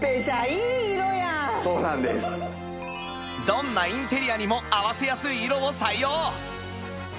どんなインテリアにも合わせやすい色を採用